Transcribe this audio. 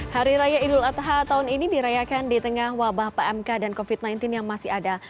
hari raya idul adha tahun ini dirayakan di tengah wabah pmk dan covid sembilan belas yang masih ada